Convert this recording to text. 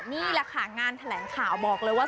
นี่แหละค่ะงานแถลงข่าวบอกเลยว่า